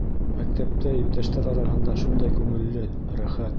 Мәктәптә, иптәштәр араһында шундай күңелле, рәхәт.